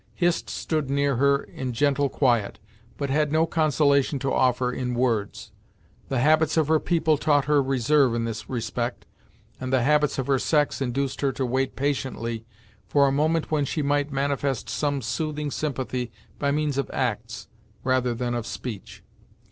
Hist stood near her in gentle quiet, but had no consolation to offer in words. The habits of her people taught her reserve in this respect, and the habits of her sex induced her to wait patiently for a moment when she might manifest some soothing sympathy by means of acts, rather than of speech.